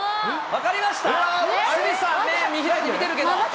分かりました？